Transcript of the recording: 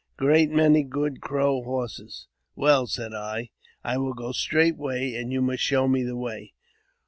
" Great many — good Crow horses." " Well," said I, " I will go straightway, and you must show me the way."